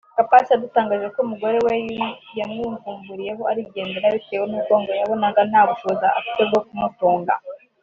Gapasi yadutangarije ko umugore we yamwivumburiyeho arigendera bitewe nuko ngo yabonaga nta bushobozi afite bwo kumutunga